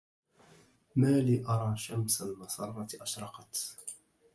مالي أرى شمس المسرة أشرقت